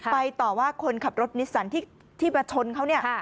ต่อว่าคนขับรถนิสสันที่มาชนเขาเนี่ย